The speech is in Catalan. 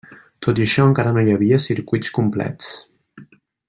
Tot i això encara no hi havia circuits complets.